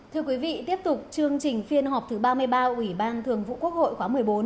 thưa quý vị tiếp tục chương trình phiên họp thứ ba mươi ba ủy ban thường vụ quốc hội khóa một mươi bốn